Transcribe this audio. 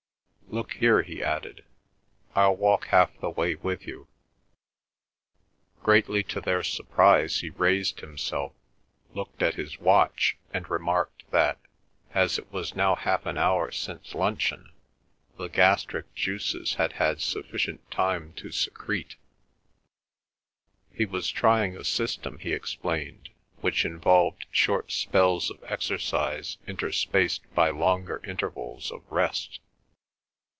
"Look here," he added, "I'll walk half the way with you." Greatly to their surprise he raised himself, looked at his watch, and remarked that, as it was now half an hour since luncheon, the gastric juices had had sufficient time to secrete; he was trying a system, he explained, which involved short spells of exercise interspaced by longer intervals of rest.